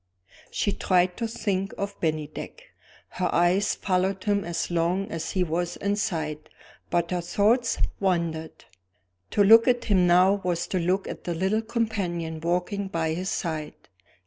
She tried to think of Bennydeck. Her eyes followed him as long as he was in sight, but her thoughts wandered. To look at him now was to look at the little companion walking by his side.